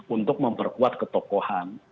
untuk memperkuat ketokohan